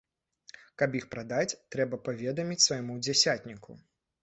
Каб іх прадаць, трэба паведаміць свайму дзясятніку.